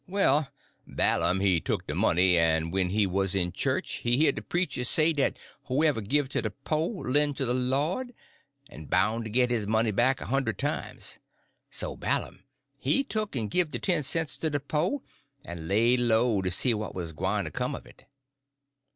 Well, Balum he tuck de money, en when he wuz in church he hear de preacher say dat whoever give to de po' len' to de Lord, en boun' to git his money back a hund'd times. So Balum he tuck en give de ten cents to de po', en laid low to see what wuz gwyne to come of it."